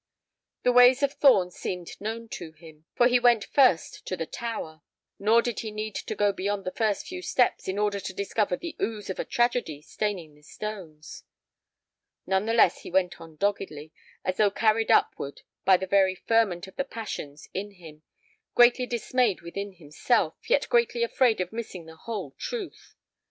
The ways of Thorn seemed known to him, for he went first to the tower; nor did he need to go beyond the first few steps in order to discover the ooze of a tragedy staining the stones. None the less he went on doggedly, as though carried upward by the very ferment of the passions in him, greatly dismayed within himself, yet greatly afraid of missing the whole truth.